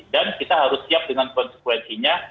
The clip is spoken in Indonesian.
dan kita harus siap dengan konsekuensinya